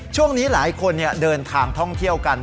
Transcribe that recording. ช่วงนี้หลายคนเดินทางท่องเที่ยวกัน